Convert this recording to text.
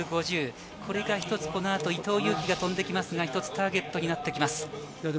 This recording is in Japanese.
これが一つ、このあと伊藤有希が飛んできますが、ターゲットになってきます。